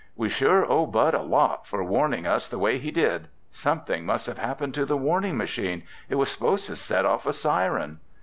"We sure owe Bud a lot for warning us the way he did. Something must have happened to the warning machine. It was supposed to set off a siren."